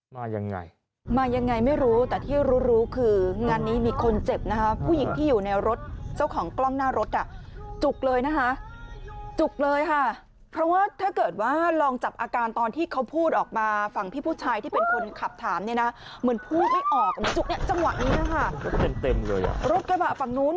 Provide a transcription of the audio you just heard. มายังไงมายังไงไม่รู้แต่ที่รู้รู้คืองานนี้มีคนเจ็บนะคะผู้หญิงที่อยู่ในรถเจ้าของกล้องหน้ารถอ่ะจุกเลยนะคะจุกเลยค่ะเพราะว่าถ้าเกิดว่าลองจับอาการตอนที่เขาพูดออกมาฝั่งพี่ผู้ชายที่เป็นคนขับถามเนี่ยนะเหมือนพูดไม่ออกนะจุกเนี่ยจังหวะนี้ค่ะเต็มเต็มเลยอ่ะรถกระบะฝั่งนู้น